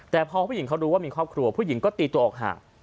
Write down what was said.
แต่พอผู้หญิงเขารู้ว่ามีครอบครัวผู้หญิงก็ตีตัวออกห่าง